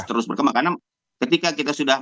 terus berkembang karena ketika kita sudah